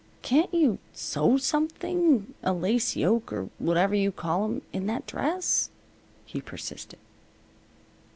"Can't you sew something a lace yoke or whatever you call 'em in that dress?" he persisted.